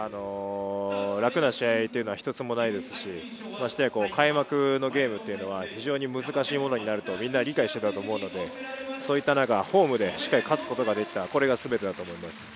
楽な試合というのは一つもないですし、ましてや、開幕のゲームっていうのは、非常に難しいものになると、みんな理解してたと思うので、そういった中、ホームでしっかり勝つことができた、それがすべてだと思います。